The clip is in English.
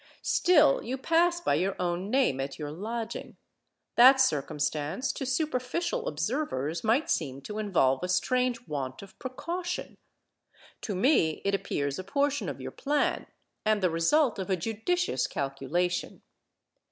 Still you pass by your own name at your lodging. That circumstance to superficial observers might seem to involve a strange want of precaution. To me it appears a portion of your plan, and the result of a judicious calculation.